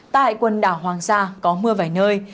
tại quần đảo hoàng sa có mưa vài nơi